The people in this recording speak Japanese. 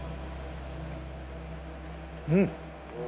うん。